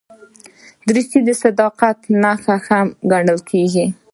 دریشي د صداقت نښه هم ګڼل کېږي.